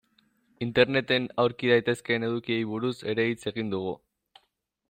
Interneten aurki daitezkeen edukiei buruz ere hitz egin dugu.